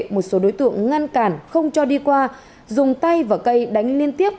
một số đối tượng ngăn cản không cho đi qua dùng tay và cây đánh liên tiếp